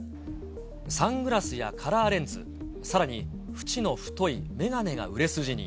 サングラスやカラーレンズ、さらに縁の太い眼鏡が売れ筋に。